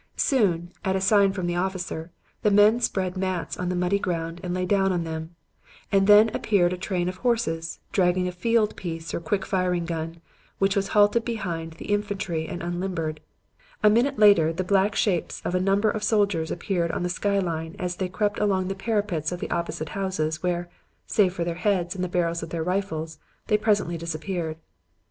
Soon, at a sign from the officer, the men spread mats on the muddy ground and lay down on them, and then appeared a train of horses, dragging a field piece or quick firing gun, which was halted behind the infantry and unlimbered. A minute later the black shapes of a number of soldiers appeared on the sky line as they crept along the parapets of the opposite houses where, save for their heads and the barrels of their rifles, they presently disappeared.